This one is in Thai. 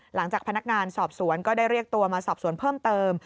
หลังจากพนักงานสอบสวนก็ได้เรียกตัวมาสอบสวนเพิ่มเติม